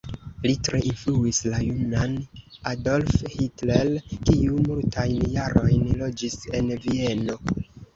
Li tre influis la junan Adolf Hitler, kiu multajn jarojn loĝis en Vieno.